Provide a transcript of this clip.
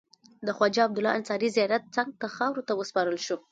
د خواجه عبدالله انصاري زیارت څنګ ته خاورو ته وسپارل شو.